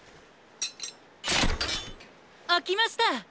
あきました！